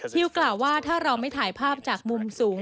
กล่าวว่าถ้าเราไม่ถ่ายภาพจากมุมสูง